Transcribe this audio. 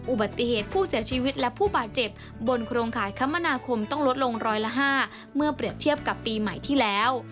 อุบัติเหตุผู้เสียชีวิตและผู้บาดเจ็บบนโครงข่ายคมนาคมต้องลดลงร้อยละ๕เมื่อเปรียบเทียบกับปีใหม่ที่แล้ว